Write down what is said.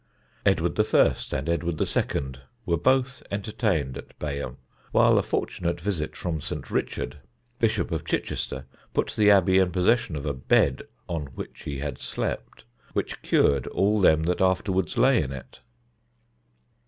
Edward I. and Edward II. were both entertained at Bayham, while a fortunate visit from St. Richard, Bishop of Chichester, put the Abbey in possession of a bed (on which he had slept) which cured all them that afterwards lay in it.